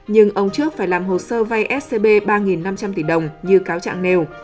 nhưng ông trước phải làm hồ sơ vay scb ba năm trăm linh tỷ đồng như cáo trạng nêu